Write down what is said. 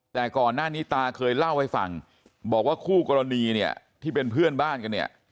แต่ก่อนหน้านี้ตาเคยเล่าให้ฟังบอกว่าคู่กรณีเนี่ยที่เป็นเพื่อนบ้านกันเนี่ย